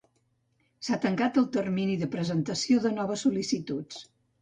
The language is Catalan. S'ha tancat el termini de presentació de noves sol·licituds.